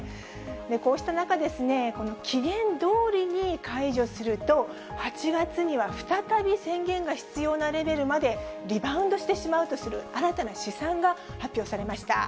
こうした中、この期限どおりに解除すると、８月には再び宣言が必要なレベルまでリバウンドしてしまうとする新たな試算が発表されました。